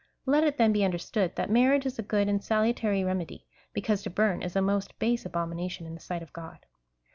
Let it then be understood, that marriage is a good and salutary remedy, because to burn is a most base abomination in the sight of Grod.